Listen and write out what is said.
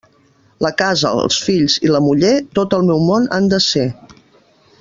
La casa, els fills i la muller, tot el meu món han de ser.